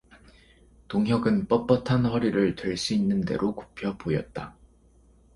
동혁은 뻣뻣한 허리를 될 수 있는 대로 굽혀 보였다.